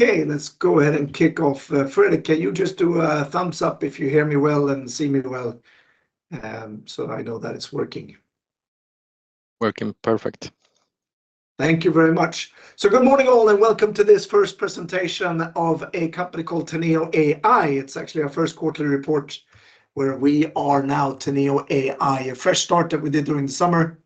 Okay, let's go ahead and kick off. Fredrik, can you just do a thumbs up if you hear me well and see me well, so I know that it's working? Working perfect. Thank you very much. Good morning, all, and welcome to this first presentation of a company called Teneo.ai. It's actually our first quarterly report, where we are now Teneo.ai, a fresh start that we did during the summer,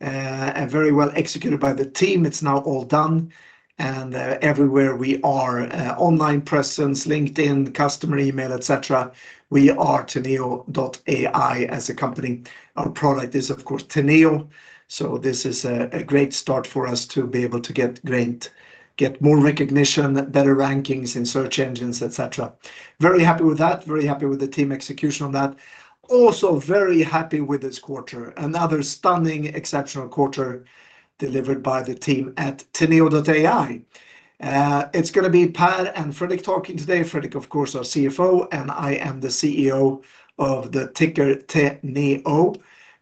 and very well executed by the team. It's now all done, and, everywhere we are, online presence, LinkedIn, customer email, et cetera, we are Teneo.ai as a company. Our product is, of course, Teneo, so this is a great start for us to be able to get more recognition, better rankings in search engines, et cetera. Very happy with that, very happy with the team execution on that. Also, very happy with this quarter. Another stunning, exceptional quarter delivered by the team at Teneo.ai. It's gonna be Per and Fredrik talking today. Fredrik, of course, our CFO, and I am the CEO of the ticker Teneo.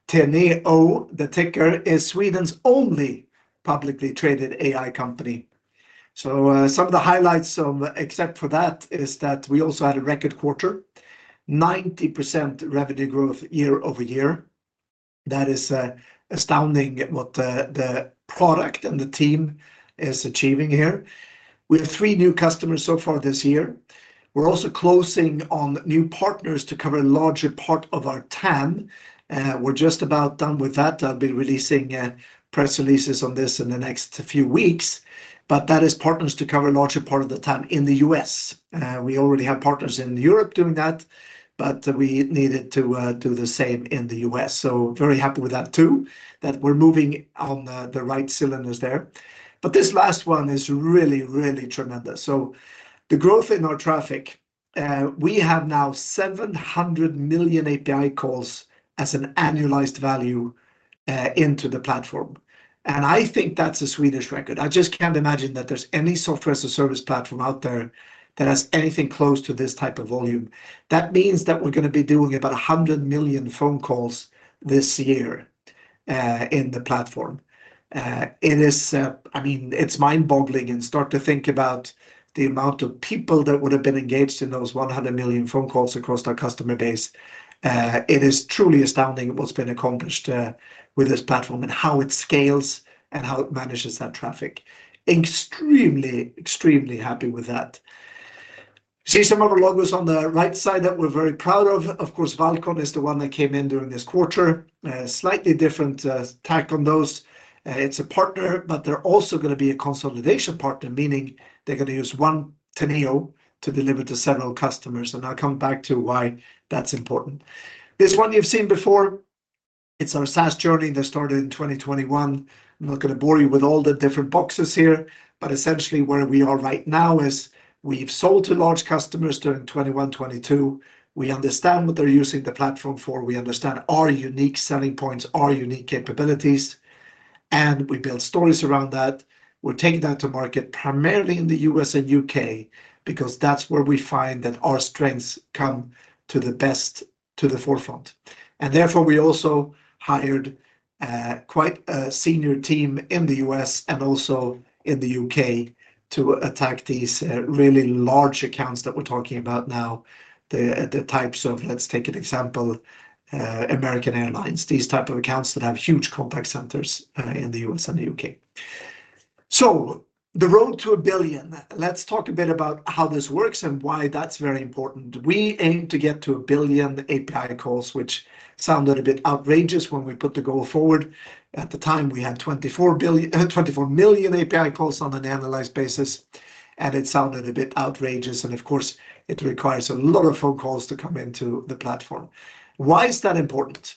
Teneo, the ticker, is Sweden's only publicly traded AI company. Some of the highlights of, except for that, is that we also had a record quarter, 90% revenue growth year over year. That is astounding what the product and the team is achieving here. We have three new customers so far this year. We're also closing on new partners to cover a larger part of our TAM. We're just about done with that. I'll be releasing press releases on this in the next few weeks, but that is partners to cover a larger part of the TAM in the U.S. We already have partners in Europe doing that, but we needed to do the same in the U.S. Very happy with that, too, that we're moving on the right cylinders there. But this last one is really, really tremendous. The growth in our traffic, we have now 700 million API calls as an annualized value into the platform, and I think that's a Swedish record. I just can't imagine that there's any software as a service platform out there that has anything close to this type of volume. That means that we're gonna be doing about 100 million phone calls this year in the platform. It is, I mean, it's mind-boggling, and start to think about the amount of people that would have been engaged in those 100 million phone calls across our customer base. It is truly astounding what's been accomplished with this platform and how it scales and how it manages that traffic. Extremely, extremely happy with that. See some of our logos on the right side that we're very proud of. Of course, Valcon is the one that came in during this quarter. Slightly different tack on those. It's a partner, but they're also gonna be a consolidation partner, meaning they're gonna use one Teneo to deliver to several customers, and I'll come back to why that's important. This one you've seen before, it's our SaaS journey that started in 2021. I'm not gonna bore you with all the different boxes here, but essentially, where we are right now is we've sold to large customers during 2021, 2022. We understand what they're using the platform for, we understand our unique selling points, our unique capabilities, and we build stories around that. We're taking that to market, primarily in the U.S. and U.K., because that's where we find that our strengths come to the best, to the forefront, and therefore we also hired quite a senior team in the U.S. and also in the U.K., to attack these really large accounts that we're talking about now. The types of... Let's take an example, American Airlines, these type of accounts that have huge contact centers in the U.S. and the U.K., so the road to a billion. Let's talk a bit about how this works and why that's very important. We aim to get to a billion API calls, which sounded a bit outrageous when we put the goal forward. At the time, we had 24 billion, 24 million API calls on an annualized basis, and it sounded a bit outrageous, and of course, it requires a lot of phone calls to come into the platform. Why is that important?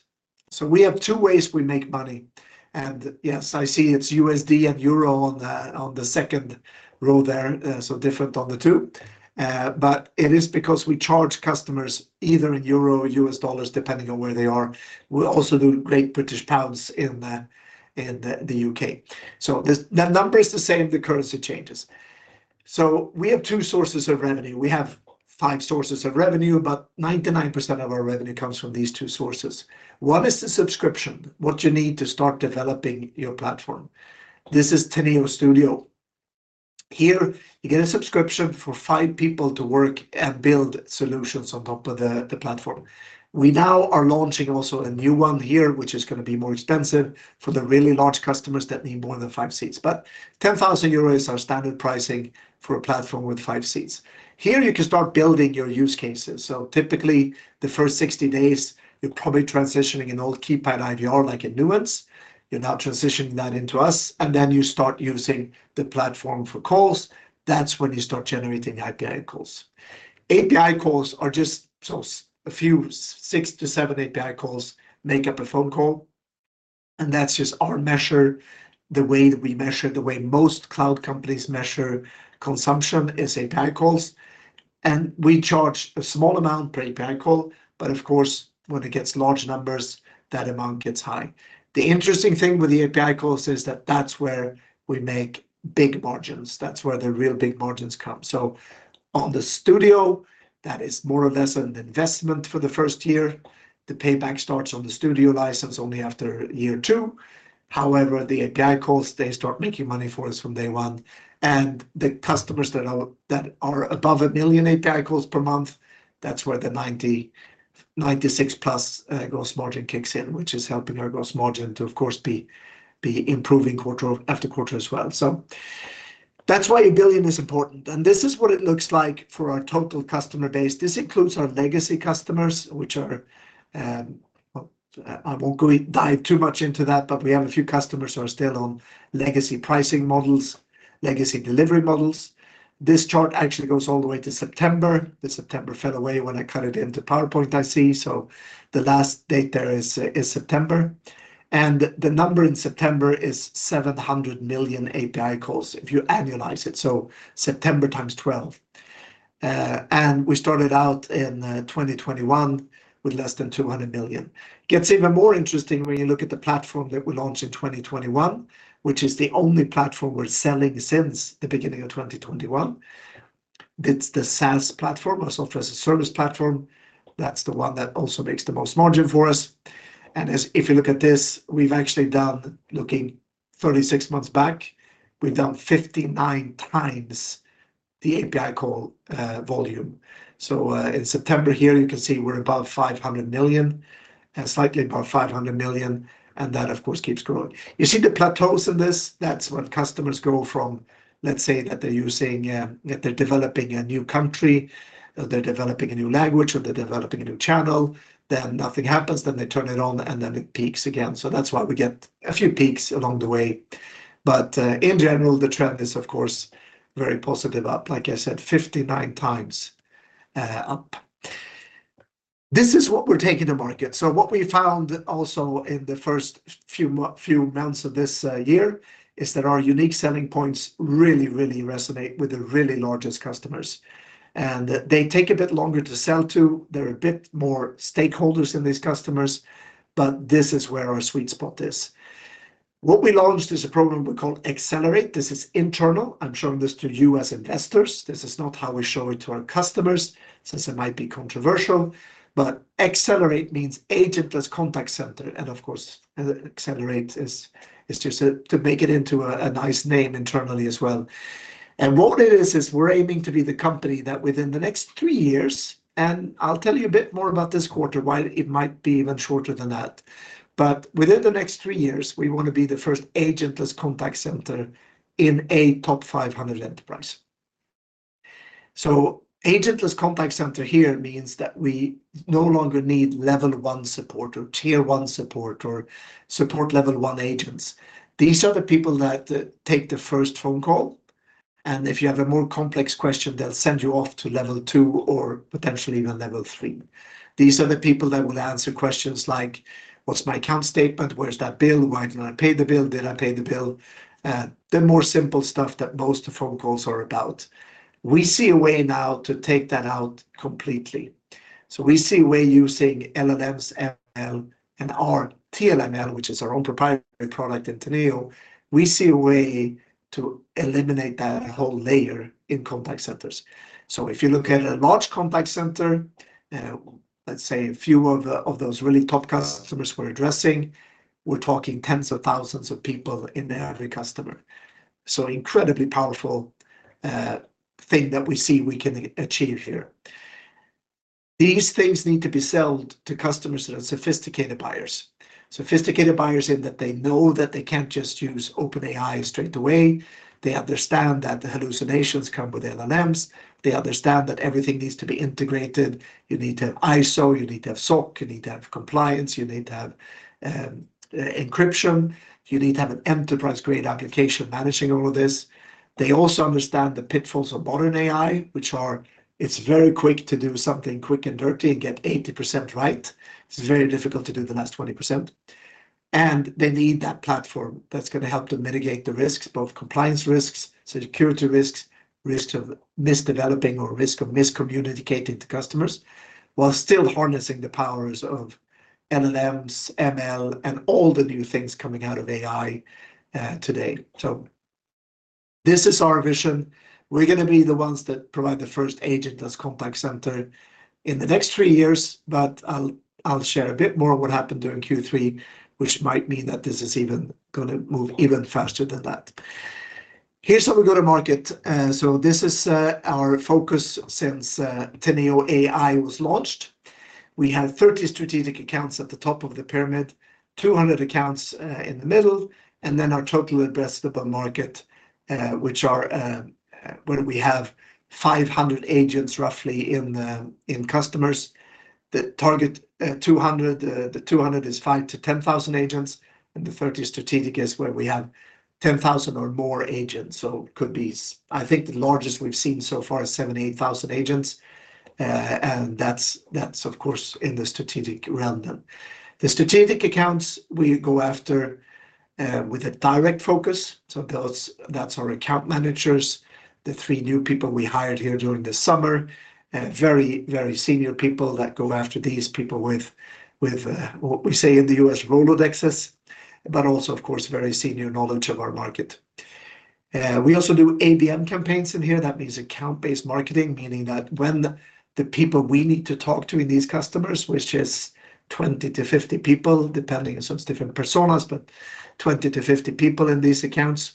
We have two ways we make money, and yes, I see it's USD and euro on the second row there, so different on the two. But it is because we charge customers either in euro or US dollars, depending on where they are. We also do Great British pounds in the UK. The number is the same, the currency changes. We have two sources of revenue. We have five sources of revenue, but 99% of our revenue comes from these two sources. One is the subscription, what you need to start developing your platform. This is Teneo Studio. Here, you get a subscription for five people to work and build solutions on top of the platform. We now are launching also a new one here, which is gonna be more expensive for the really large customers that need more than five seats. But 10,000 euros is our standard pricing for a platform with five seats. Here, you can start building your use cases. So typically, the first 60 days, you're probably transitioning an old keypad IVR, like a Nuance. You're now transitioning that into us, and then you start using the platform for calls. That's when you start generating API calls. API calls are just. So a few, 6 to 7 API calls make up a phone call, and that's just our measure. The way that we measure, the way most cloud companies measure consumption, is API calls, and we charge a small amount per API call, but of course, when it gets large numbers, that amount gets high. The interesting thing with the API calls is that that's where we make big margins. That's where the real big margins come. On the studio, that is more or less an investment for the first year. The payback starts on the studio license only after year two. However, the API calls, they start making money for us from day one, and the customers that are above a million API calls per month, that's where the 96% plus gross margin kicks in, which is helping our gross margin to, of course, be improving quarter after quarter as well. So that's why a billion is important, and this is what it looks like for our total customer base. This includes our legacy customers, which are, well, I won't go in, dive too much into that, but we have a few customers who are still on legacy pricing models, legacy delivery models. This chart actually goes all the way to September. The September fell away when I cut it into PowerPoint, I see, so the last date there is September. And the number in September is 700 million API calls if you annualize it, so September times twelve. And we started out in 2021 with less than 200 million. Gets even more interesting when you look at the platform that we launched in 2021, which is the only platform we're selling since the beginning of 2021. It's the SaaS platform, our software-as-a-service platform. That's the one that also makes the most margin for us. And if you look at this, we've actually done, looking 36 months back, 59 times the API call volume. So, in September here, you can see we're above 500 million and slightly above 500 million, and that, of course, keeps growing. You see the plateaus in this, that's when customers go from, let's say that they're using, that they're developing a new country, or they're developing a new language, or they're developing a new channel. Then nothing happens, then they turn it on, and then it peaks again. So that's why we get a few peaks along the way. But, in general, the trend is, of course, very positive, up, like I said, 59 times, up. This is what we're taking to market. So what we found also in the first few months of this year is that our unique selling points really, really resonate with the really largest customers, and they take a bit longer to sell to. There are a bit more stakeholders in these customers, but this is where our sweet spot is. What we launched is a program we call Accelerate. This is internal. I'm showing this to you as investors. This is not how we show it to our customers, since it might be controversial, but Accelerate means agentless contact center, and of course, Accelerate is just to make it into a nice name internally as well. And what it is is we're aiming to be the company that within the next three years, and I'll tell you a bit more about this quarter, while it might be even shorter than that, but within the next three years, we wanna be the first agentless contact center in a top 500 enterprise. So agentless contact center here means that we no longer need level 1 support or tier 1 support, or support level 1 agents. These are the people that take the first phone call, and if you have a more complex question, they'll send you off to level 2 or potentially even level 3. These are the people that will answer questions like, "What's my account statement? Where's that bill? Why didn't I pay the bill? Did I pay the bill?" The more simple stuff that most of phone calls are about. We see a way now to take that out completely. So we see a way using LLMs, ML, and our TLML, which is our own proprietary product in Teneo. We see a way to eliminate that whole layer in contact centers. So if you look at a large contact center, let's say a few of those really top customers we're addressing, we're talking tens of thousands of people in the average customer. So incredibly powerful thing that we see we can achieve here. These things need to be sold to customers that are sophisticated buyers. Sophisticated buyers in that they know that they can't just use OpenAI straight away. They understand that the hallucinations come with LLMs. They understand that everything needs to be integrated. You need to have ISO, you need to have SOC, you need to have compliance, you need to have encryption, you need to have an enterprise-grade application managing all of this. They also understand the pitfalls of modern AI, which are, it's very quick to do something quick and dirty and get 80% right. It's very difficult to do the last 20%, and they need that platform that's gonna help them mitigate the risks, both compliance risks, security risks, risk of misdeveloping or risk of miscommunicating to customers, while still harnessing the powers of LLMs, ML, and all the new things coming out of AI, today. So this is our vision. We're gonna be the ones that provide the first agentless contact center in the next three years, but I'll share a bit more of what happened during Q3, which might mean that this is even gonna move even faster than that. Here's how we go to market. So this is our focus since Teneo AI was launched. We have 30 strategic accounts at the top of the pyramid, 200 accounts in the middle, and then our total addressable market, which are where we have 500 agents, roughly, in customers. The target 200, the 200 is 5,000 to 10,000 agents, and the 30 strategic is where we have 10,000 or more agents. So could be... I think the largest we've seen so far is seventy-eight thousand agents, and that's of course in the strategic realm then. The strategic accounts we go after with a direct focus, so those, that's our account managers, the three new people we hired here during the summer, very, very senior people that go after these people with what we say in the U.S., Rolodexes, but also, of course, very senior knowledge of our market. We also do ABM campaigns in here. That means account-based marketing, meaning that when the people we need to talk to in these customers, which is twenty to fifty people, depending on some different personas, but twenty to fifty people in these accounts,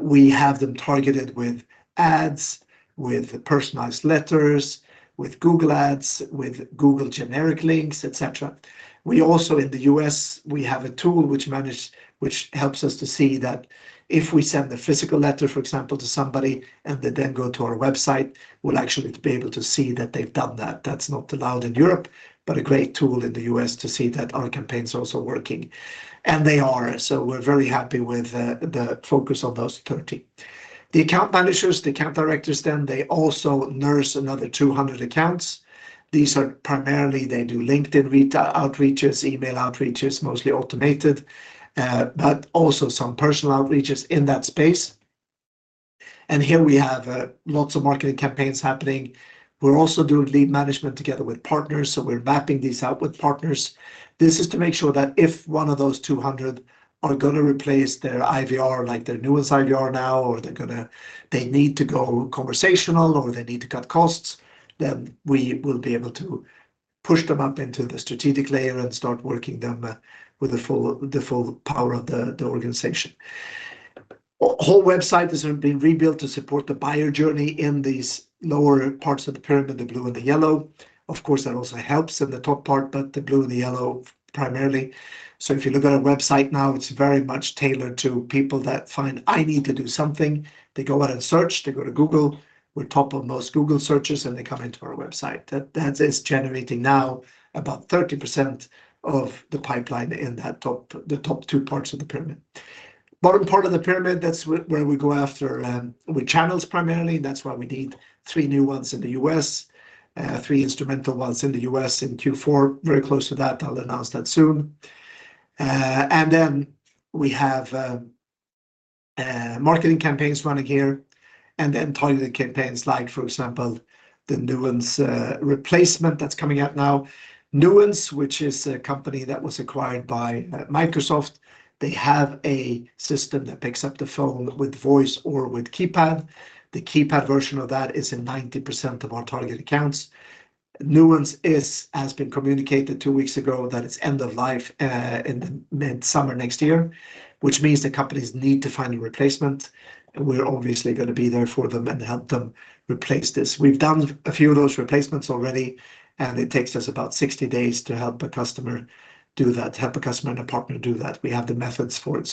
we have them targeted with ads, with personalized letters, with Google Ads, with Google generic links, et cetera. We also, in the US, we have a tool which helps us to see that if we send a physical letter, for example, to somebody, and they then go to our website, we'll actually be able to see that they've done that. That's not allowed in Europe, but a great tool in the US to see that our campaign's also working, and they are, so we're very happy with the focus on those 30. The account managers, the account directors, then they also nurse another 200 accounts. These are primarily, they do LinkedIn outreaches, email outreaches, mostly automated, but also some personal outreaches in that space. And here we have lots of marketing campaigns happening. We're also doing lead management together with partners, so we're mapping these out with partners. This is to make sure that if one of those 200 are gonna replace their IVR, like their Nuance IVR now, or they're gonna they need to go conversational, or they need to cut costs, then we will be able to push them up into the strategic layer and start working them with the full power of the organization. The whole website has been rebuilt to support the buyer journey in these lower parts of the pyramid, the blue and the yellow. Of course, that also helps in the top part, but the blue and the yellow, primarily. So if you look at our website now, it's very much tailored to people that find, "I need to do something." They go out and search, they go to Google, we're top on most Google searches, and they come into our website. That, that is generating now about 30% of the pipeline in that top, the top two parts of the pyramid. Bottom part of the pyramid, that's where we go after, with channels, primarily. That's why we need three new ones in the U.S., three instrumental ones in the U.S. in Q4. Very close to that. I'll announce that soon. And then we have, marketing campaigns running here, and then targeted campaigns, like, for example, the Nuance replacement that's coming out now. Nuance, which is a company that was acquired by, Microsoft, they have a system that picks up the phone with voice or with keypad. The keypad version of that is in 90% of our target accounts. Nuance has been communicated two weeks ago that it's end of life in the mid-summer next year, which means the companies need to find a replacement, and we're obviously gonna be there for them and help them replace this. We've done a few of those replacements already, and it takes us about 60 days to help a customer do that, help a customer and a partner do that. We have the methods for it.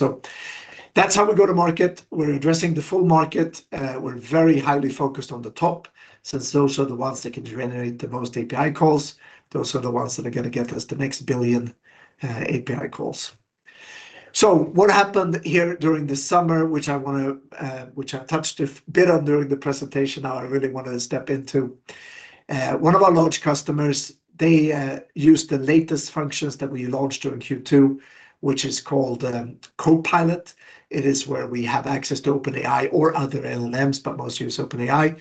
That's how we go to market. We're addressing the full market. We're very highly focused on the top, since those are the ones that can generate the most API calls. Those are the ones that are gonna get us the next billion API calls. What happened here during the summer, which I wanna, which I touched a bit on during the presentation, now I really wanna step into. One of our large customers, they used the latest functions that we launched during Q2, which is called Copilot. It is where we have access to OpenAI or other LLMs, but most use OpenAI.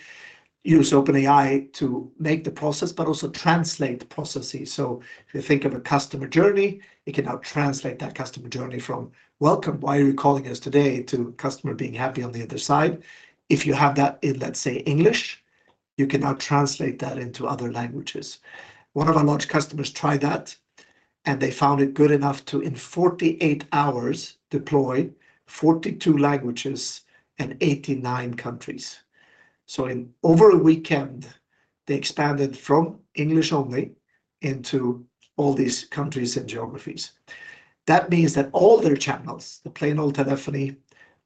Use OpenAI to make the process, but also translate the processes. So if you think of a customer journey, it can now translate that customer journey from, "Welcome, why are you calling us today?" to customer being happy on the other side. If you have that in, let's say, English, you can now translate that into other languages. One of our large customers tried that, and they found it good enough to, in 48 hours, deploy 42 languages in 89 countries. So over a weekend, they expanded from English only into all these countries and geographies. That means that all their channels, the plain old telephony,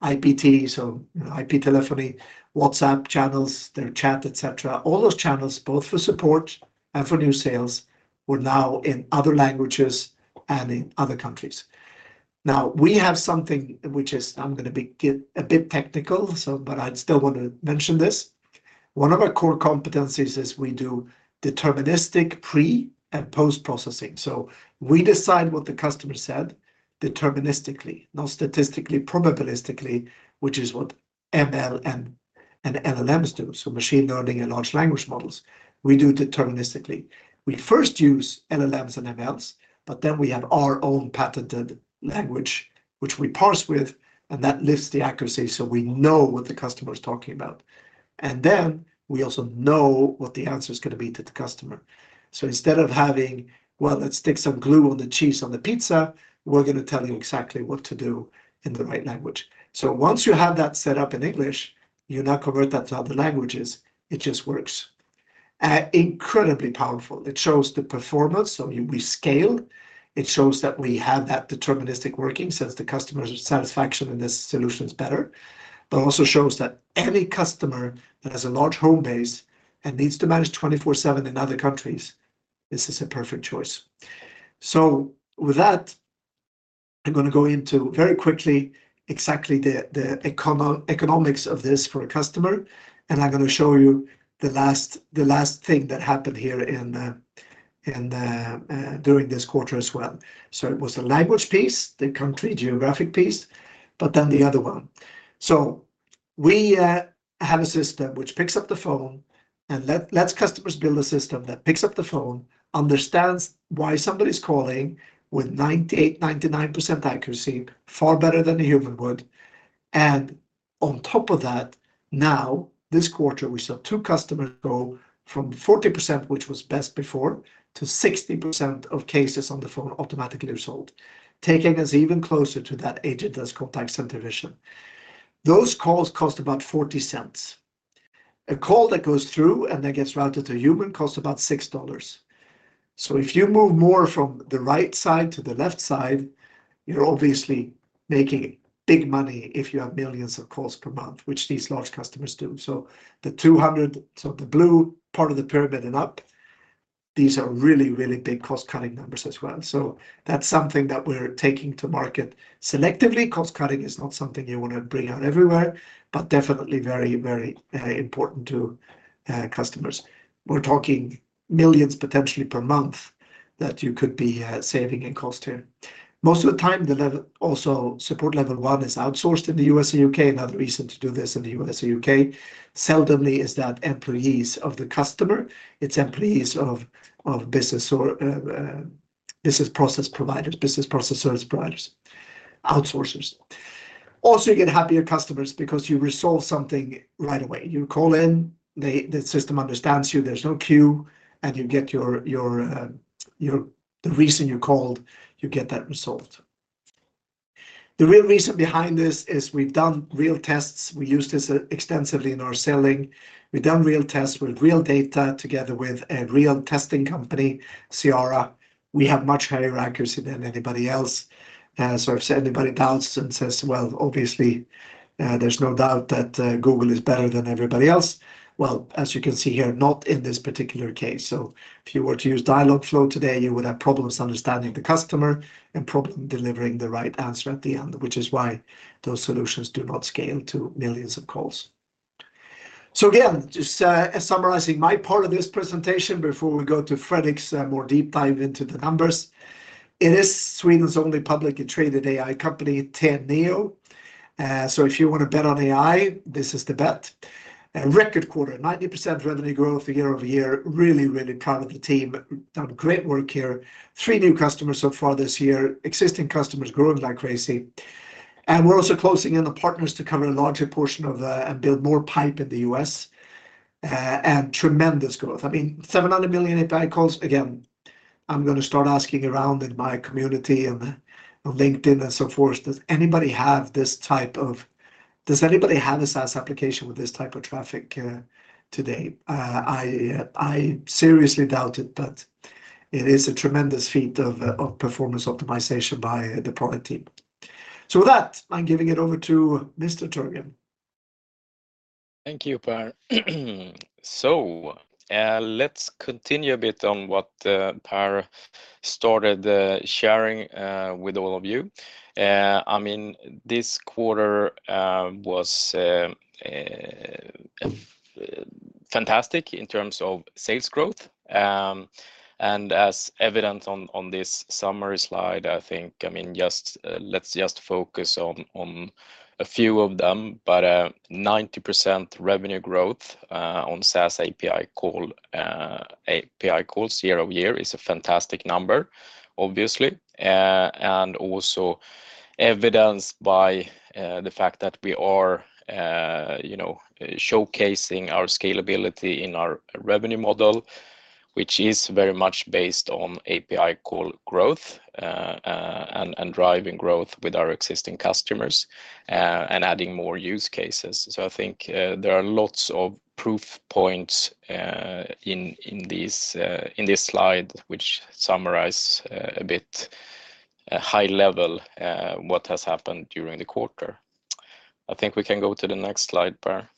IPT, so IP telephony, WhatsApp channels, their chat, et cetera, all those channels, both for support and for new sales, were now in other languages and in other countries. Now, we have something which is, I'm gonna get a bit technical, so, but I'd still want to mention this. One of our core competencies is we do deterministic pre- and post-processing. So we decide what the customer said deterministically, not statistically, probabilistically, which is what ML and LLMs do, so machine learning and large language models. We do deterministically. We first use LLMs and MLs, but then we have our own patented language, which we parse with, and that lifts the accuracy, so we know what the customer is talking about, and then we also know what the answer is gonna be to the customer. So instead of having, "Well, let's stick some glue on the cheese on the pizza," we're gonna tell you exactly what to do in the right language. So once you have that set up in English, you now convert that to other languages. It just works. Incredibly powerful. It shows the performance, so we scale. It shows that we have that deterministic working, since the customer's satisfaction in this solution is better, but also shows that any customer that has a large home base and needs to manage twenty-four/seven in other countries, this is a perfect choice. So with that, I'm gonna go into very quickly exactly the economics of this for a customer, and I'm gonna show you the last thing that happened here in during this quarter as well. It was a language piece, the country, geographic piece, but then the other one. We have a system which picks up the phone and lets customers build a system that picks up the phone, understands why somebody's calling with 98-99% accuracy, far better than a human would. On top of that, now, this quarter, we saw two customers go from 40%, which was best before, to 60% of cases on the phone automatically resolved, taking us even closer to that agentless contact center vision. Those calls cost about $0.40. A call that goes through and that gets routed to a human costs about $6. If you move more from the right side to the left side, you're obviously making big money if you have millions of calls per month, which these large customers do. So the two hundred, so the blue part of the pyramid and up, these are really, really big cost-cutting numbers as well. So that's something that we're taking to market selectively. Cost cutting is not something you wanna bring out everywhere, but definitely very, very important to customers. We're talking millions potentially per month that you could be saving in cost here. Most of the time, level one support is outsourced in the U.S. and U.K., another reason to do this in the U.S. and U.K. Seldomly is that employees of the customer, it's employees of business or business process providers, business process service providers, outsourcers. Also, you get happier customers because you resolve something right away. You call in, they... The system understands you, there's no queue, and you get your, the reason you called, you get that resolved. The real reason behind this is we've done real tests. We use this extensively in our selling. We've done real tests with real data together with a real testing company, Cyara. We have much higher accuracy than anybody else. So if anybody doubts and says, "Well, obviously, there's no doubt that Google is better than everybody else," well, as you can see here, not in this particular case. So if you were to use Dialogflow today, you would have problems understanding the customer and problem delivering the right answer at the end, which is why those solutions do not scale to millions of calls. So again, just summarizing my part of this presentation before we go to Fredrik's more deep dive into the numbers. It is Sweden's only publicly traded AI company, Teneo. So if you wanna bet on AI, this is the bet. A record quarter, 90% revenue growth year over year, really, really proud of the team. Done great work here. Three new customers so far this year, existing customers growing like crazy. And we're also closing in the partners to cover a larger portion of the, and build more pipe in the U.S. And tremendous growth. I mean, 700 million API calls. Again, I'm gonna start asking around in my community and LinkedIn and so forth, does anybody have this type of SaaS application with this type of traffic today? I seriously doubt it, but it is a tremendous feat of performance optimization by the product team. So with that, I'm giving it over to Mr. Törgren. Thank you, Per. So, let's continue a bit on what Per started sharing with all of you. I mean, this quarter was fantastic in terms of sales growth. And as evident on this summary slide, I think, I mean, just let's just focus on a few of them. But, 90% revenue growth on SaaS API calls year over year is a fantastic number, obviously. And also evidenced by the fact that we are, you know, showcasing our scalability in our revenue model, which is very much based on API call growth, and driving growth with our existing customers, and adding more use cases. So I think there are lots of proof points in this slide, which summarize a bit high level what has happened during the quarter. I think we can go to the next slide, Per.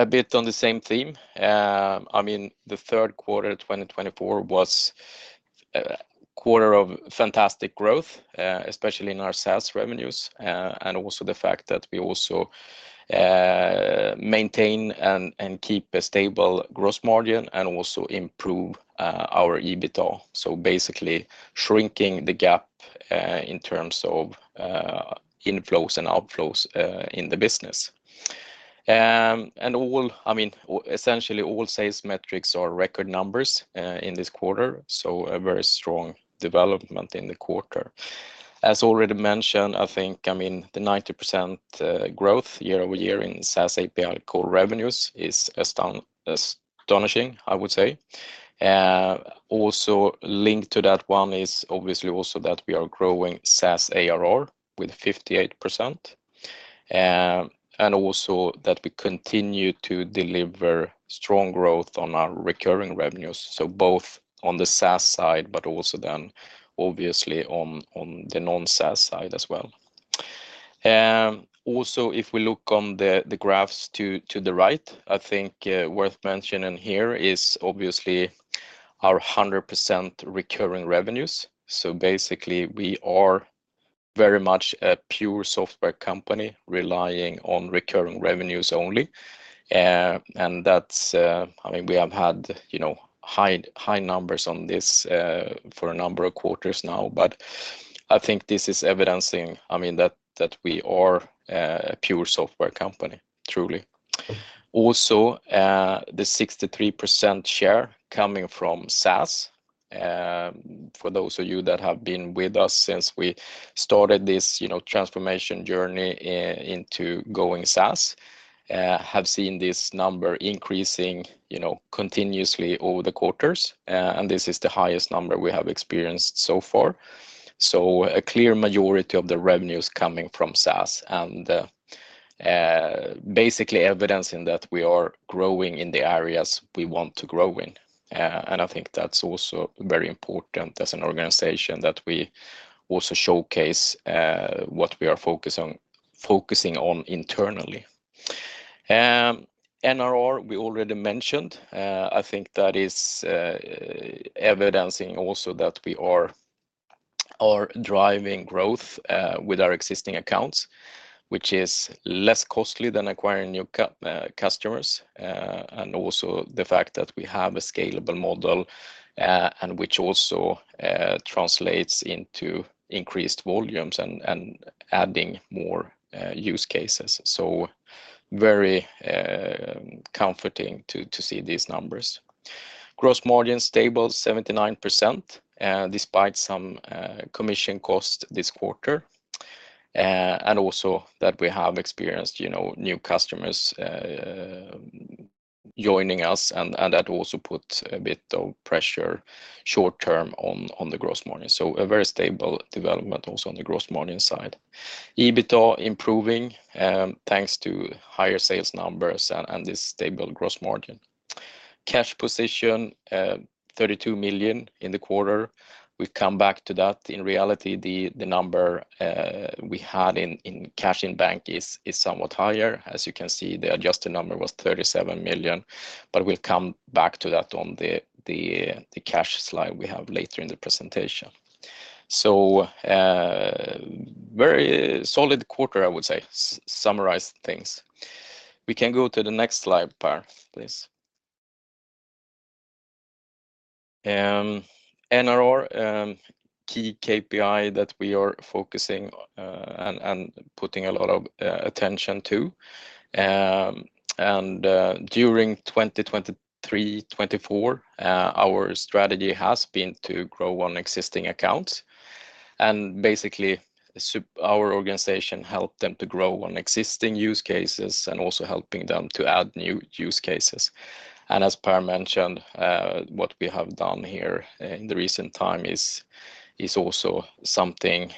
A bit on the same theme. I mean, the third quarter, twenty twenty-four was a quarter of fantastic growth, especially in our SaaS revenues, and also the fact that we also maintain and keep a stable gross margin and also improve our EBITDA. So basically, shrinking the gap in terms of inflows and outflows in the business. And all, I mean, essentially all sales metrics are record numbers in this quarter, so a very strong development in the quarter. As already mentioned, I think, I mean, the 90% growth year over year in SaaS API call revenues is astonishing, I would say. Also linked to that one is obviously also that we are growing SaaS ARR with 58%, and also that we continue to deliver strong growth on our recurring revenues, so both on the SaaS side, but also then obviously on the non-SaaS side as well. Also, if we look on the graphs to the right, I think worth mentioning here is obviously our 100% recurring revenues. So basically, we are very much a pure software company relying on recurring revenues only. And that's, I mean, we have had, you know, high numbers on this for a number of quarters now, but... I think this is evidencing, I mean, that, that we are a pure software company, truly. Also, the 63% share coming from SaaS. For those of you that have been with us since we started this, you know, transformation journey into going SaaS, have seen this number increasing, you know, continuously over the quarters. And this is the highest number we have experienced so far. So a clear majority of the revenue is coming from SaaS, and, basically evidencing that we are growing in the areas we want to grow in. And I think that's also very important as an organization, that we also showcase, what we are focused on focusing on internally. NRR, we already mentioned. I think that is evidencing also that we are driving growth with our existing accounts, which is less costly than acquiring new customers. And also the fact that we have a scalable model and which also translates into increased volumes and adding more use cases. So very comforting to see these numbers. Gross margin stable, 79%, despite some commission costs this quarter. And also that we have experienced, you know, new customers joining us, and that also put a bit of pressure short term on the gross margin. So a very stable development also on the gross margin side. EBITDA improving, thanks to higher sales numbers and this stable gross margin. Cash position, 32 million in the quarter. We've come back to that. In reality, the number we had in cash in bank is somewhat higher. As you can see, the adjusted number was 37 million SEK, but we'll come back to that on the cash slide we have later in the presentation. Very solid quarter, I would say, summarize things. We can go to the next slide, Per, please. NRR, key KPI that we are focusing and putting a lot of attention to. During 2023, 2024, our strategy has been to grow on existing accounts. Basically, our organization helped them to grow on existing use cases and also helping them to add new use cases. As Per mentioned, what we have done here in the recent time is also something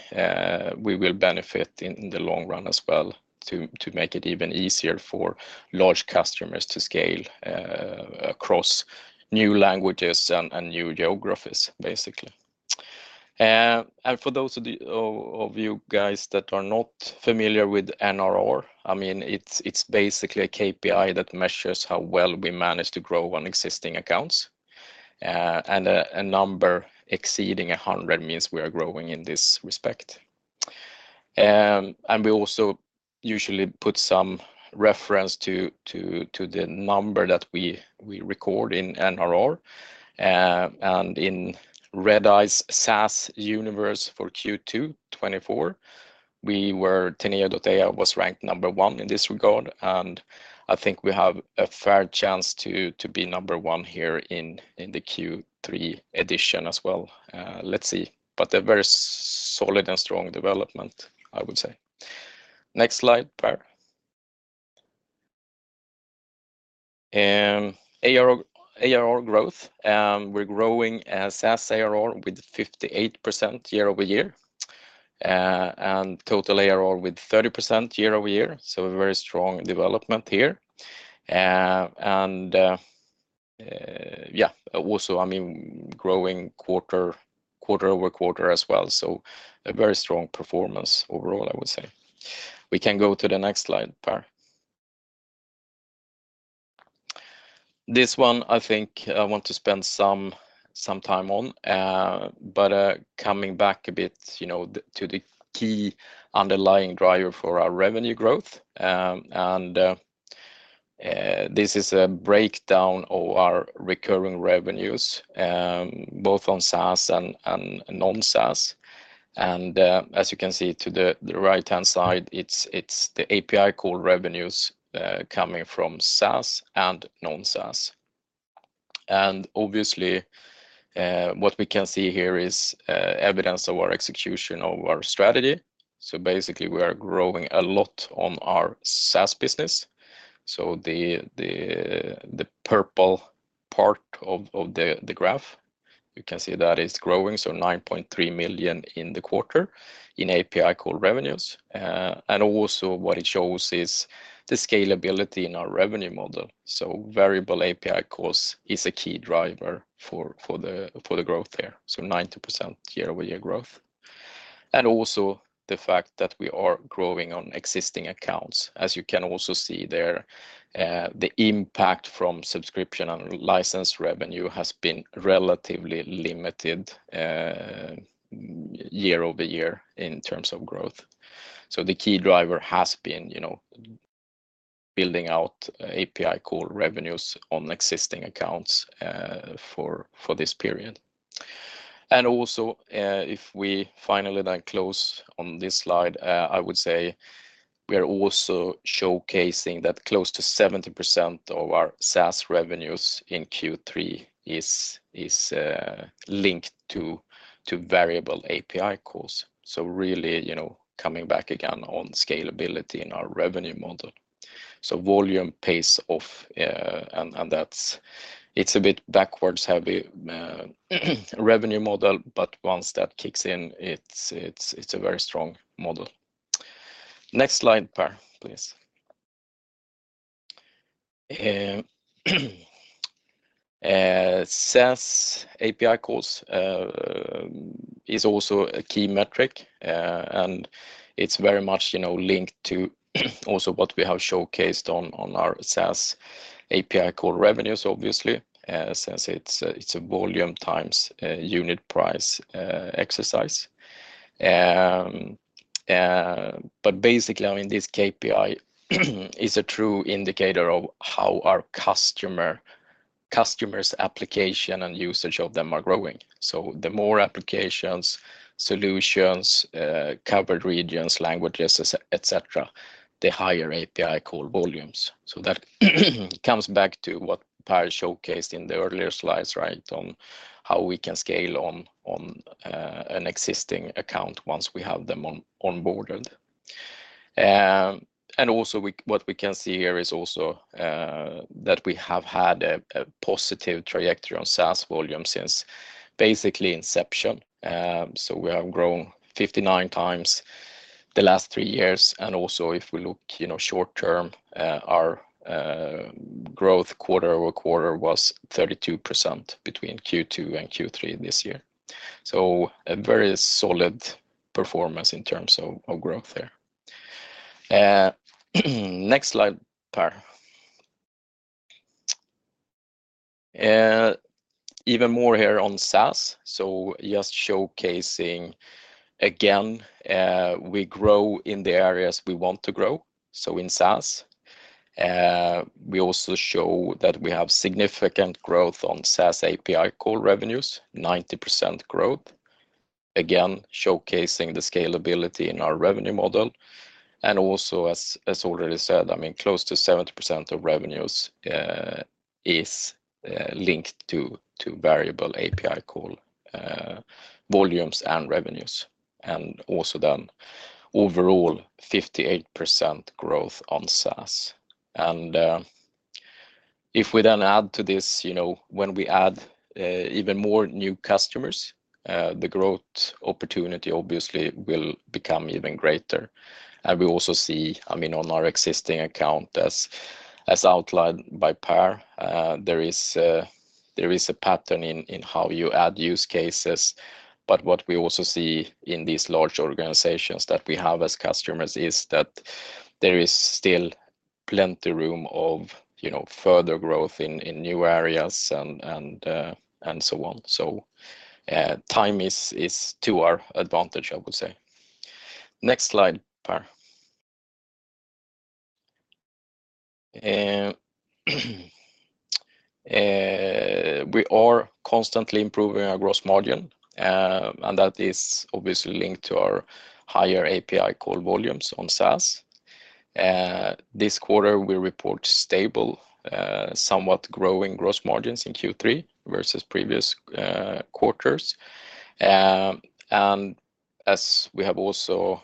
we will benefit in the long run as well to make it even easier for large customers to scale across new languages and new geographies, basically. For those of you guys that are not familiar with NRR, I mean, it's basically a KPI that measures how well we manage to grow on existing accounts. A number exceeding a hundred means we are growing in this respect. We also usually put some reference to the number that we record in NRR. And in Redeye's SaaS Universe for Q2 2024, Teneo.ai was ranked number one in this regard, and I think we have a fair chance to be number one here in the Q3 2024 edition as well. Let's see. But a very solid and strong development, I would say. Next slide, Per. ARR growth. We're growing as SaaS ARR with 58% year over year, and total ARR with 30% year over year. So a very strong development here. And, I mean, growing quarter over quarter as well. So a very strong performance overall, I would say. We can go to the next slide, Per. This one, I think, I want to spend some time on. Coming back a bit, you know, to the key underlying driver for our revenue growth. This is a breakdown of our recurring revenues, both on SaaS and non-SaaS. As you can see to the right-hand side, it's the API call revenues coming from SaaS and non-SaaS. Obviously, what we can see here is evidence of our execution of our strategy. Basically, we are growing a lot on our SaaS business. The purple part of the graph, you can see that is growing, so 9.3 million in the quarter in API call revenues. Also what it shows is the scalability in our revenue model. Variable API calls is a key driver for the growth there, so 90% year-over-year growth. And also the fact that we are growing on existing accounts. As you can also see there, the impact from subscription and license revenue has been relatively limited year over year in terms of growth. So the key driver has been, you know, building out API call revenues on existing accounts for this period. And also, if we finally then close on this slide, I would say we are also showcasing that close to 70% of our SaaS revenues in Q3 is linked to variable API calls. So really, you know, coming back again on scalability in our revenue model. So volume pays off, and that's—it's a bit backwards, heavy revenue model, but once that kicks in, it's a very strong model. Next slide, Per, please. SaaS API calls is also a key metric. And it's very much, you know, linked to also what we have showcased on our SaaS API call revenues, obviously, since it's a volume times unit price exercise. But basically, I mean, this KPI is a true indicator of how our customer's application and usage of them are growing. So the more applications, solutions, covered regions, languages, et cetera, the higher API call volumes. So that comes back to what Per showcased in the earlier slides, right, on how we can scale on an existing account once we have them onboarded. What we can see here is also that we have had a positive trajectory on SaaS volume since basically inception. So we have grown 59 times the last three years. And also, if we look, you know, short term, our growth quarter over quarter was 32% between Q2 and Q3 this year. So a very solid performance in terms of growth there. Next slide, Per. Even more here on SaaS. So just showcasing again, we grow in the areas we want to grow, so in SaaS. We also show that we have significant growth on SaaS API call revenues, 90% growth. Again, showcasing the scalability in our revenue model, and also as already said, I mean, close to 70% of revenues is linked to variable API call volumes and revenues. And if we then add to this, you know, when we add even more new customers, the growth opportunity obviously will become even greater. And we also see, I mean, on our existing account, as outlined by Per, there is a pattern in how you add use cases. But what we also see in these large organizations that we have as customers is that there is still plenty of room for, you know, further growth in new areas and so on. So, time is to our advantage, I would say. Next slide, Per. We are constantly improving our gross margin, and that is obviously linked to our higher API call volumes on SaaS. This quarter, we report stable, somewhat growing gross margins in Q3 versus previous quarters. And as we have also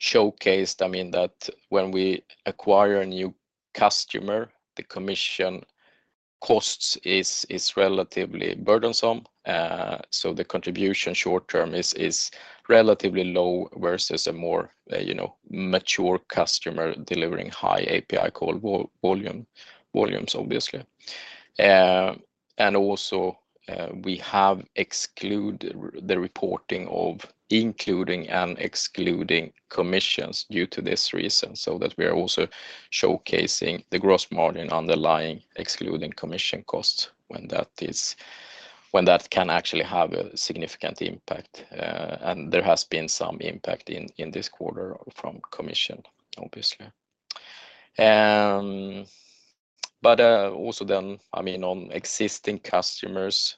showcased, I mean, that when we acquire a new customer, the commission costs is relatively burdensome. So the contribution short term is relatively low versus a more, you know, mature customer delivering high API call volumes, obviously. And also, we have excluded the reporting of including and excluding commissions due to this reason, so that we are also showcasing the gross margin underlying, excluding commission costs, when that can actually have a significant impact. And there has been some impact in this quarter from commission, obviously. But also then, I mean, on existing customers,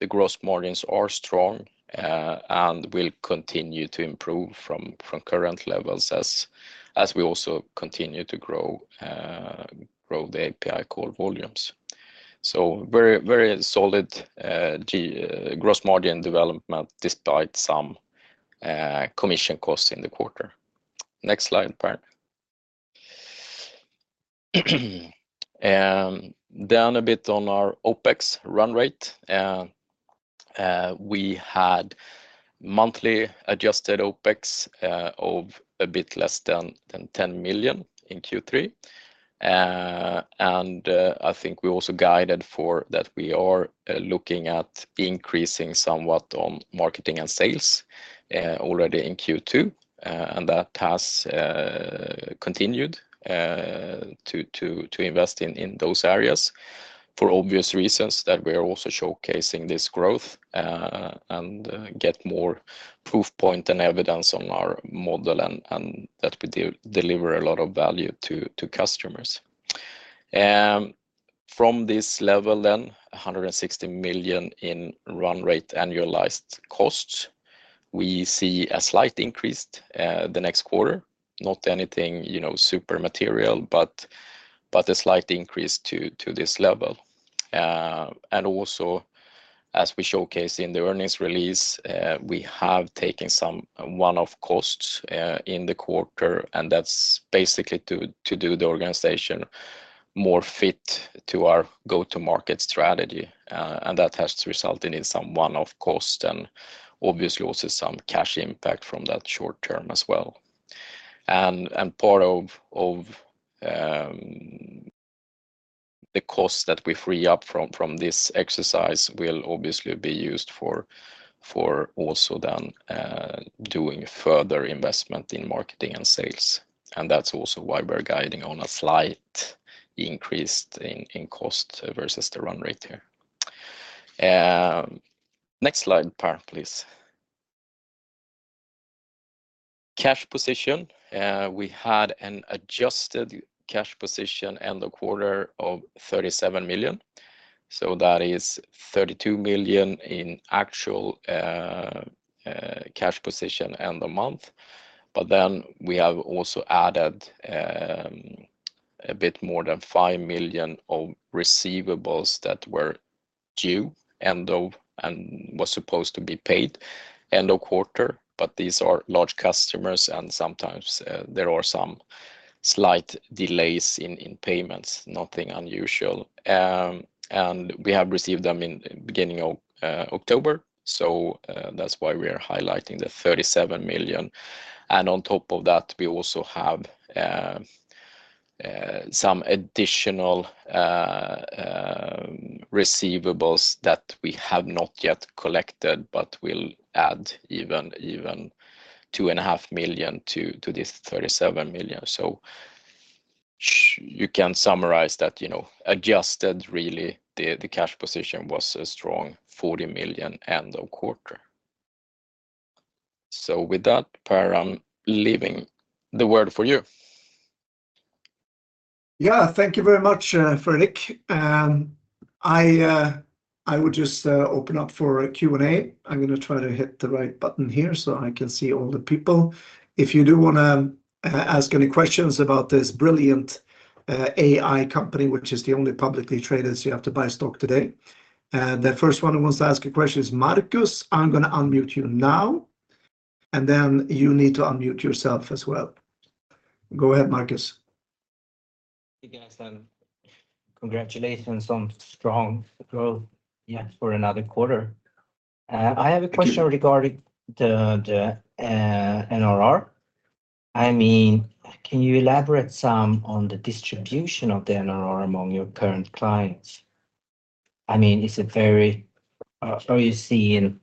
the gross margins are strong, and will continue to improve from current levels as we also continue to grow the API call volumes. So very, very solid gross margin development, despite some commission costs in the quarter. Next slide, Per. Down a bit on our OpEx run rate. We had monthly adjusted OpEx of a bit less than 10 million in Q3. And I think we also guided for that we are looking at increasing somewhat on marketing and sales already in Q2. And that has continued to invest in those areas. For obvious reasons that we are also showcasing this growth, and get more proof point and evidence on our model, and that we deliver a lot of value to customers. From this level then, 160 million in run rate annualized costs, we see a slight increase the next quarter. Not anything, you know, super material, but a slight increase to this level. And also, as we showcase in the earnings release, we have taken some one-off costs in the quarter, and that's basically to do the organization more fit to our go-to-market strategy. And that has resulted in some one-off cost and obviously also some cash impact from that short term as well. Part of the costs that we free up from this exercise will obviously be used for also then doing further investment in marketing and sales. That's also why we're guiding on a slight increase in cost versus the run rate here. Next slide, Per, please. Cash position. We had an adjusted cash position end of quarter of 37 million, so that is 32 million in actual cash position end of the month. But then we have also added a bit more than 5 million of receivables that were due end of quarter and was supposed to be paid end of quarter. But these are large customers, and sometimes there are some slight delays in payments, nothing unusual. And we have received them in beginning of October, so that's why we are highlighting the 37 million. And on top of that, we also have some additional receivables that we have not yet collected but will add even 2.5 million to this 37 million. So you can summarize that, you know, adjusted really, the cash position was a strong 40 million end of quarter. So with that, Per, I'm leaving the floor for you. Yeah. Thank you very much, Fredrik. I would just open up for a Q&A. I'm gonna try to hit the right button here so I can see all the people. If you do wanna ask any questions about this brilliant AI company, which is the only publicly traded, so you have to buy stock today. The first one who wants to ask a question is Marcus. I'm gonna unmute you now, and then you need to unmute yourself as well. Go ahead, Marcus. Hey, guys, and congratulations on strong growth, yeah, for another quarter. I have a question regarding the NRR. I mean, can you elaborate some on the distribution of the NRR among your current clients? I mean, it's a very, are you seeing-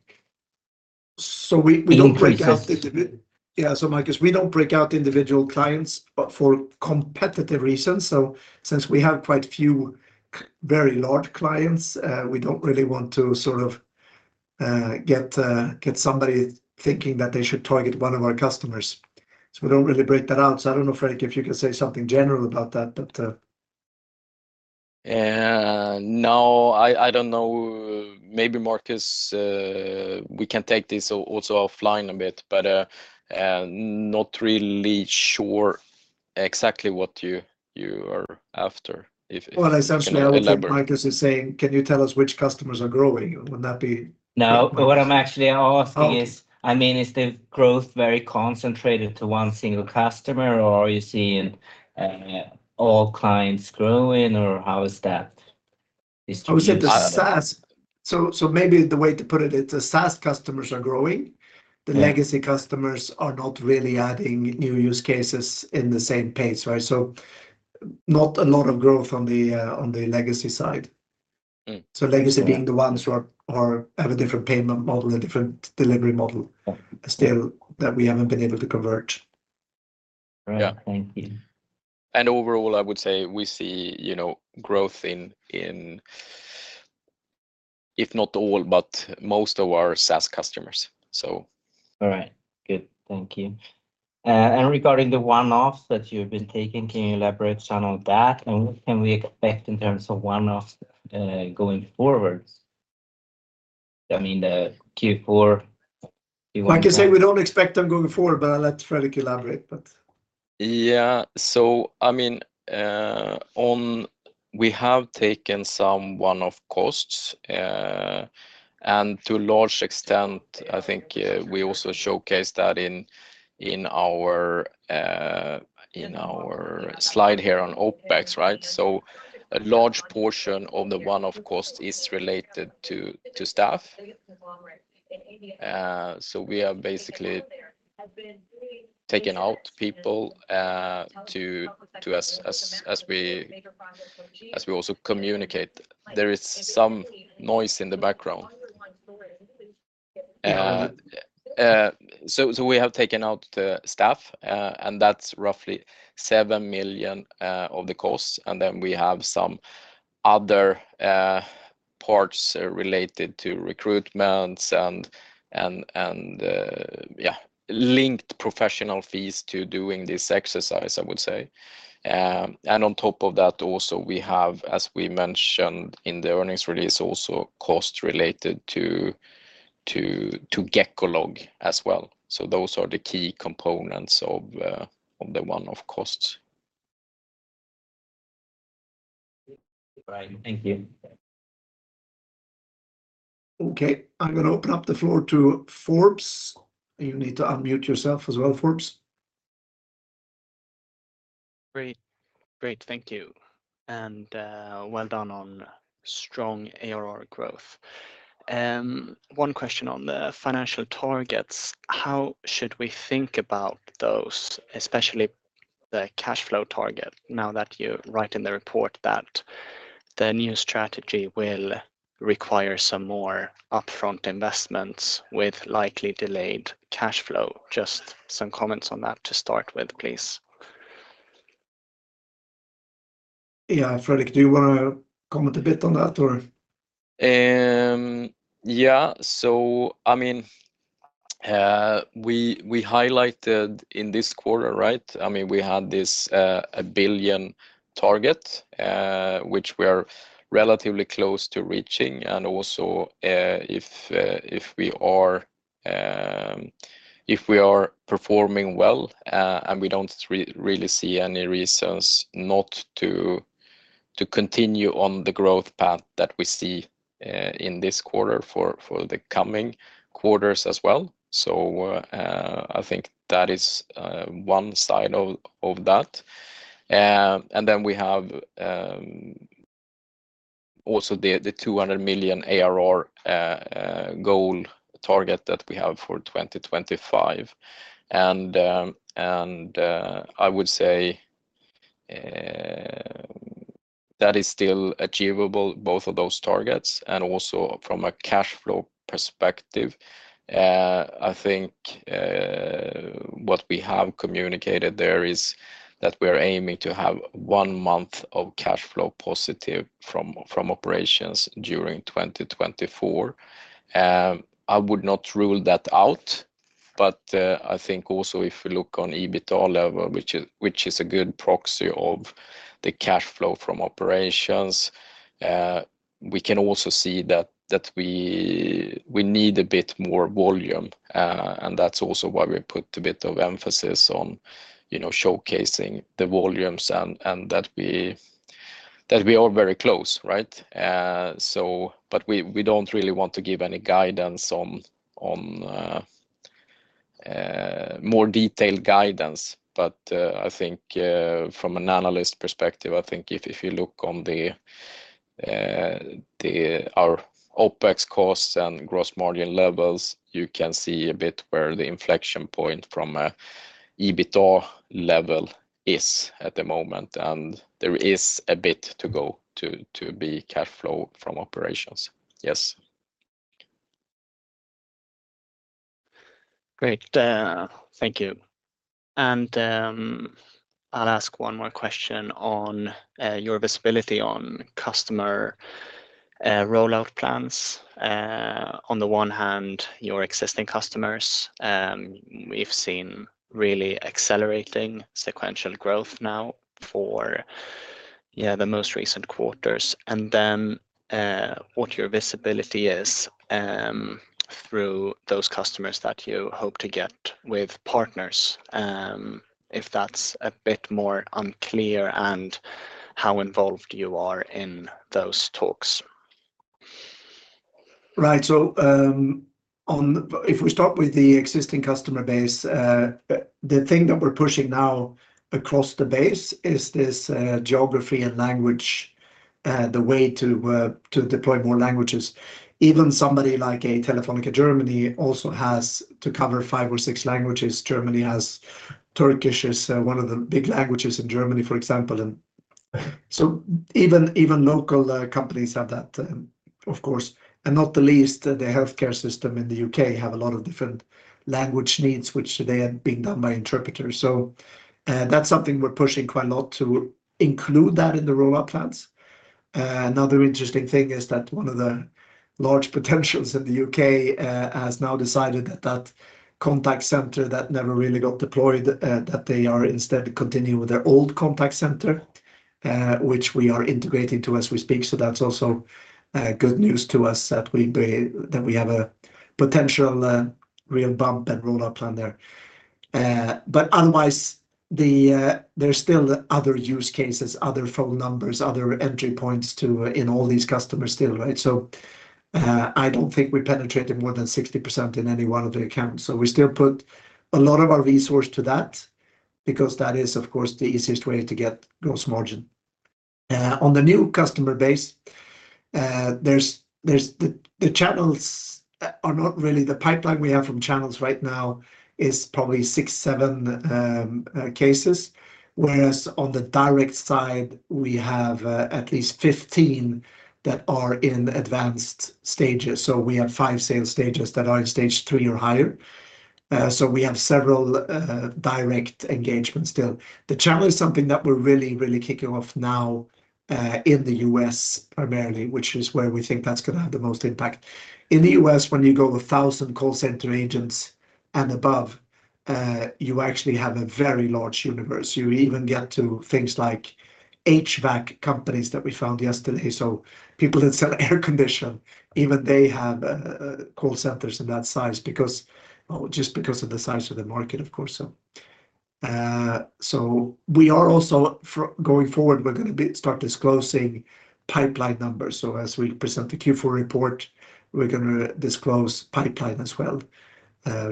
So we don't break out- Increased-... Yeah, so Marcus, we don't break out individual clients, but for competitive reasons, so since we have quite a few very large clients, we don't really want to sort of get somebody thinking that they should target one of our customers. So we don't really break that out. So I don't know, Fredrik, if you can say something general about that, but- No, I don't know. Maybe Marcus, we can take this also offline a bit, but not really sure exactly what you are after, if Essentially, I would think Marcus is saying, "Can you tell us which customers are growing?" Would that be- No, but what I'm actually asking is- Okay... I mean, is the growth very concentrated to one single customer, or are you seeing all clients growing, or how is that distribution? I would say the SaaS. So, so maybe the way to put it is the SaaS customers are growing. Yeah. The legacy customers are not really adding new use cases in the same pace, right, so not a lot of growth on the legacy side. Mm. Legacy being the ones who have a different payment model, a different delivery model- Yeah... still that we haven't been able to convert. Right. Yeah. Thank you. Overall, I would say we see, you know, growth in if not all, but most of our SaaS customers, so. All right. Good, thank you. And regarding the one-offs that you've been taking, can you elaborate some on that? And what can we expect in terms of one-offs, going forwards? I mean, the Q4, you- Like I say, we don't expect them going forward, but I'll let Fredrik elaborate, but. Yeah, so I mean, on... We have taken some one-off costs, and to a large extent, I think, we also showcased that in our slide here on OpEx, right? A large portion of the one-off cost is related to staff. So we have basically taken out people, to as we also communicate. So we have taken out the staff, and that's roughly 7 million SEK of the costs. And then we have some other parts related to recruitments and yeah, linked professional fees to doing this exercise, I would say. And on top of that, also, we have, as we mentioned in the earnings release, also cost related to Gecko as well. So those are the key components of the one-off costs. Right. Thank you. Okay, I'm gonna open up the floor to Forbes. You need to unmute yourself as well, Forbes. Great. Great, thank you. And, well done on strong ARR growth. One question on the financial targets. How should we think about those, especially the cash flow target, now that you write in the report that the new strategy will require some more upfront investments with likely delayed cash flow? Just some comments on that to start with, please. Yeah, Fredrik, do you wanna comment a bit on that, or? Yeah. So, I mean, we highlighted in this quarter, right? I mean, we had this a billion target, which we are relatively close to reaching. And also, if we are performing well, and we don't really see any reasons not to continue on the growth path that we see in this quarter for the coming quarters as well. So, I think that is one side of that. And then we have also the 200 million ARR goal target that we have for 2025. And I would say that is still achievable, both of those targets, and also from a cash flow perspective. I think what we have communicated there is that we're aiming to have one month of cash flow positive from operations during 2024. I would not rule that out, but I think also if you look on EBITDA level, which is a good proxy of the cash flow from operations, we can also see that we need a bit more volume. And that's also why we put a bit of emphasis on, you know, showcasing the volumes and that we are very close, right? But we don't really want to give any guidance on more detailed guidance. I think, from an analyst perspective, I think if you look at our OpEx costs and gross margin levels, you can see a bit where the inflection point from an EBITDA level is at the moment, and there is a bit to go to be cash flow from operations. Yes. Great. Thank you. And I'll ask one more question on your visibility on customer rollout plans. On the one hand, your existing customers, we've seen really accelerating sequential growth now for the most recent quarters. And then, what your visibility is through those customers that you hope to get with partners, if that's a bit more unclear, and how involved you are in those talks. Right. So, if we start with the existing customer base, the thing that we're pushing now across the base is this, geography and language, the way to deploy more languages. Even somebody like a Telefónica Germany also has to cover five or six languages. Germany has Turkish as one of the big languages in Germany, for example, and so even, even local companies have that, of course, and not the least, the healthcare system in the U.K. have a lot of different language needs, which today are being done by interpreters. So, that's something we're pushing quite a lot to include that in the rollout plans. Another interesting thing is that one of the large potentials in the UK has now decided that that contact center that never really got deployed that they are instead continuing with their old contact center which we are integrating to as we speak. So that's also good news to us that we have a potential real bump and rollout plan there. But otherwise, there's still other use cases, other phone numbers, other entry points to in all these customers still, right? So I don't think we penetrated more than 60% in any one of the accounts. So we still put a lot of our resource to that because that is, of course, the easiest way to get gross margin. On the new customer base, the channels are not really... The pipeline we have from channels right now is probably six, seven cases. Whereas on the direct side, we have at least 15 that are in advanced stages, so we have five sales stages that are in stage three or higher, so we have several direct engagements still. The channel is something that we're really, really kicking off now in the U.S. primarily, which is where we think that's gonna have the most impact. In the U.S., when you go over thousand call center agents and above, you actually have a very large universe. You even get to things like HVAC companies that we found yesterday, so people that sell air condition, even they have call centers in that size because, well, just because of the size of the market, of course, so. So we are also going forward, we're gonna start disclosing pipeline numbers. As we present the Q4 report, we're gonna disclose pipeline as well,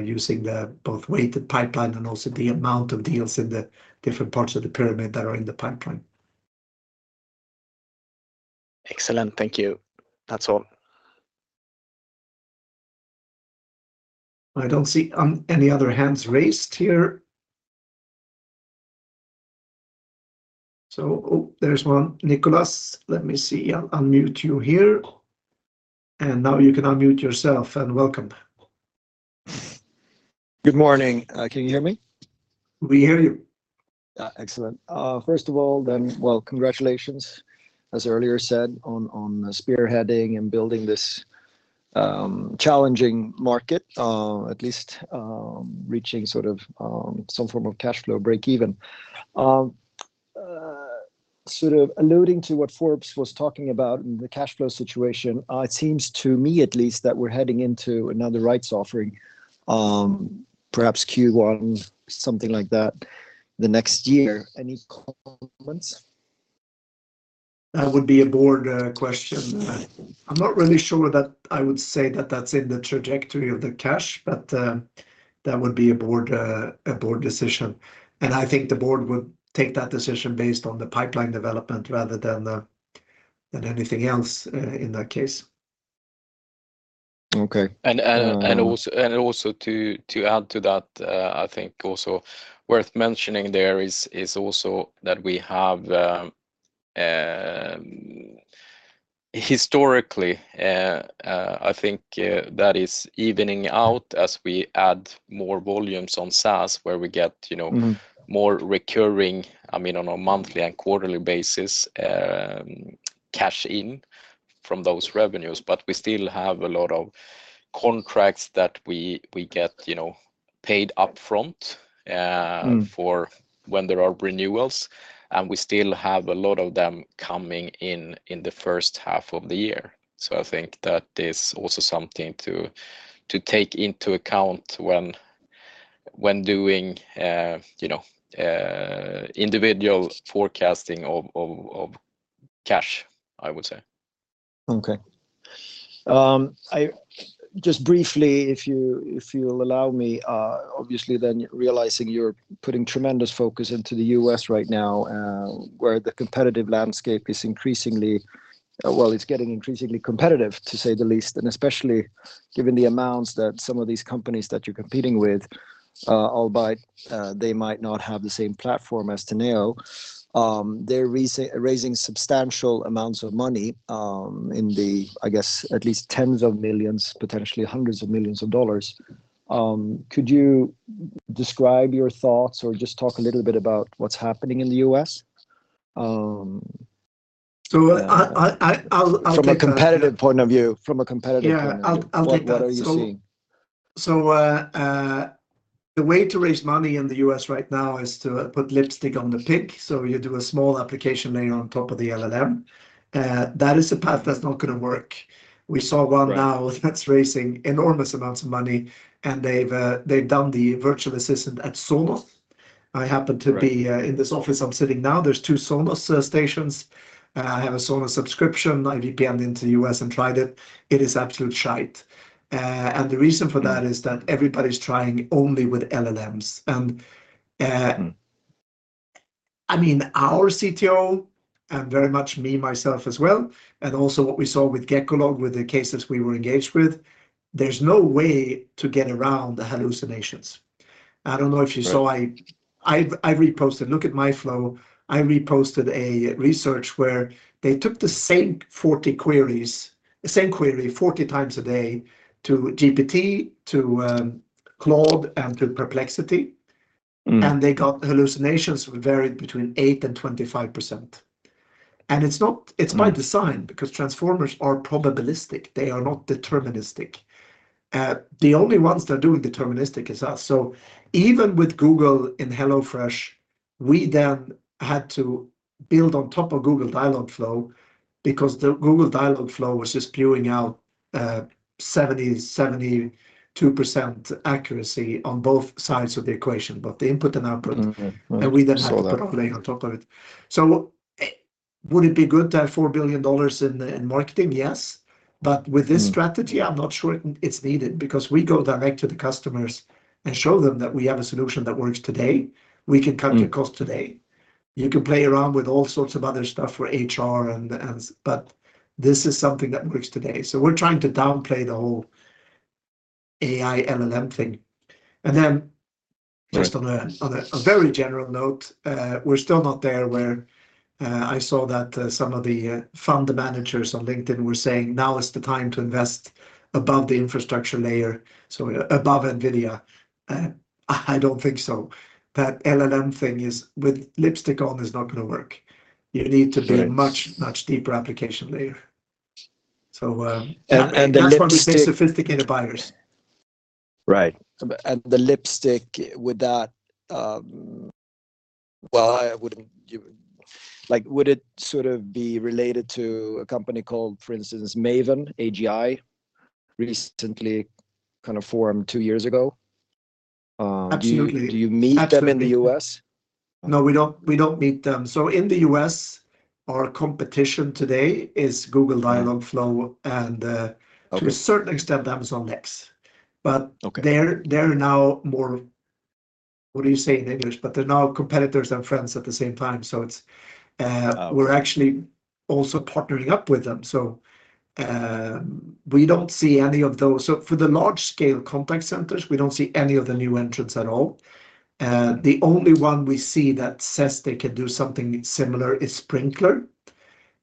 using both the weighted pipeline and also the amount of deals in the different parts of the pyramid that are in the pipeline. Excellent. Thank you. That's all. I don't see any other hands raised here. So, oh, there's one. Niklas, let me see. I'll unmute you here, and now you can unmute yourself, and welcome. Good morning. Can you hear me? We hear you. Excellent. First of all, then, well, congratulations, as earlier said, on spearheading and building this challenging market, at least reaching sort of some form of cash flow break even. Sort of alluding to what Forbes was talking about and the cash flow situation, it seems to me at least, that we're heading into another rights offering, perhaps Q1, something like that, the next year. Any comments? That would be a board question. I'm not really sure that I would say that that's in the trajectory of the cash, but that would be a board decision. And I think the board would take that decision based on the pipeline development rather than anything else in that case. Okay, um- Also to add to that, I think also worth mentioning there is also that we have historically, I think, that is evening out as we add more volumes on SaaS, where we get you know- Mm... more recurring, I mean, on a monthly and quarterly basis, cash in from those revenues. But we still have a lot of contracts that we get, you know, paid upfront. Mm... for when there are renewals, and we still have a lot of them coming in, in the first half of the year. So I think that is also something to take into account when doing, you know, individual forecasting of cash, I would say. Okay. Just briefly, if you, if you'll allow me, obviously, then realizing you're putting tremendous focus into the U.S. right now, where the competitive landscape is increasingly, well, it's getting increasingly competitive, to say the least, and especially given the amounts that some of these companies that you're competing with, albeit, they might not have the same platform as Teneo, they're raising substantial amounts of money, in the, I guess, at least tens of millions, potentially hundreds of millions of dollars. Could you describe your thoughts or just talk a little bit about what's happening in the U.S.? I'll take that. From a competitive point of view. Yeah, I'll take that.... what are you seeing? So, the way to raise money in the U.S. right now is to put lipstick on the pig. So you do a small application layer on top of the LLM. That is a path that's not gonna work. Right. We saw one now that's raising enormous amounts of money, and they've done the virtual assistant at Sonos. Right. I happen to be in this office I'm sitting now. There's two Sonos stations. I have a Sonos subscription. I VPN into the U.S. and tried it. It is absolute shite, and the reason for that- Mm... is that everybody's trying only with LLMs. And Mm... I mean, our CTO, and very much me, myself, as well, and also what we saw with Gecko, with the cases we were engaged with, there's no way to get around the hallucinations. I don't know if you saw, I- Right... I reposted. Look at my flow. I reposted a research where they took the same forty queries, the same query, forty times a day to GPT, to Claude, and to Perplexity. Mm. And they got hallucinations that varied between eight and 25%. And it's not- Mm... it's by design, because transformers are probabilistic, they are not deterministic. The only ones that are doing deterministic is us. So even with Google in HelloFresh, we then had to build on top of Google Dialogflow, because the Google Dialogflow was just spewing out 72% accuracy on both sides of the equation, both the input and output. Mm-hmm. Mm. We then had Saw that... to put a layer on top of it. So, would it be good to have $4 billion in marketing? Yes. But with this- Mm... strategy, I'm not sure it's needed, because we go direct to the customers and show them that we have a solution that works today. We can cut- Mm... the cost today. You can play around with all sorts of other stuff for HR and but this is something that works today. So we're trying to downplay the whole AI, LLM thing. And then just on a very general note, we're still not there where I saw that some of the fund managers on LinkedIn were saying, "Now is the time to invest above the infrastructure layer," so above NVIDIA. I don't think so. That LLM thing is, with lipstick on is not gonna work. Yes. You need to be a much, much deeper application layer. So- And the lipstick- That's why we pay sophisticated buyers. Right, and the lipstick with that, well, I wouldn't, like, would it sort of be related to a company called, for instance, Maven AGI, recently kind of formed two years ago? Absolutely. Do you meet them in the U.S.? No, we don't, we don't meet them. So in the U.S., our competition today is Google- Mm... Dialogflow, and Okay... to a certain extent, Amazon Lex. But- Okay... they're now more, what do you say in English? But they're now competitors and friends at the same time, so it's- Ah... we're actually also partnering up with them. So, we don't see any of those... So for the large-scale contact centers, we don't see any of the new entrants at all. The only one we see that says they can do something similar is Sprinklr. Okay.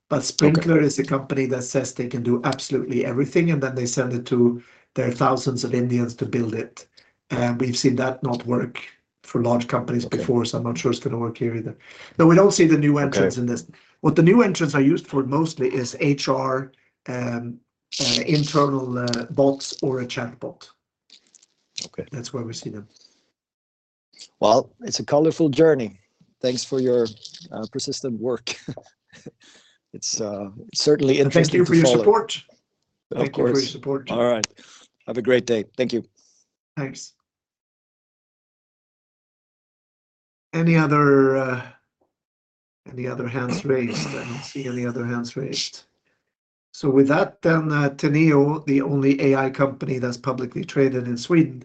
But Sprinklr is a company that says they can do absolutely everything, and then they send it to their thousands of Indians to build it. And we've seen that not work for large companies before. Okay... so I'm not sure it's gonna work here either. No, we don't see the new entrants in this. Okay. What the new entrants are used for mostly is HR. Sure... internal, bots or a chatbot. Okay. That's where we see them. It's a colorful journey. Thanks for your persistent work. It's certainly interesting to follow. Thank you for your support. Of course. Thank you for your support. All right. Have a great day. Thank you. Thanks. Any other hands raised? I don't see any other hands raised. So with that, then, Teneo, the only AI company that's publicly traded in Sweden,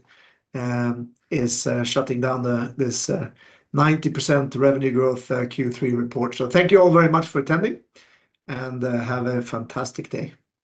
is shutting down this 90% revenue growth Q3 report. So thank you all very much for attending, and have a fantastic day.